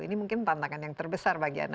ini mungkin tantangan yang terbesar bagi anda